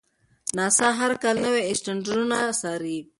ناسا هر کال نوي اسټروېډونه څاري.